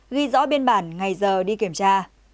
ghi rõ biên bản ngày giờ đi kiểm tra